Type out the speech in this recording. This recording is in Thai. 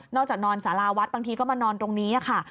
จากนอนสาราวัดบางทีก็มานอนตรงนี้ค่ะ